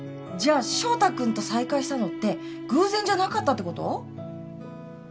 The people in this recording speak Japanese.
じゃあ翔太君と再会したのって偶然じゃなかったってこと？